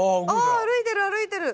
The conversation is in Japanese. あ歩いてる歩いてる。